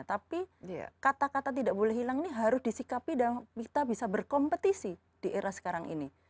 tapi kata kata tidak boleh hilang ini harus disikapi dan kita bisa berkompetisi di era sekarang ini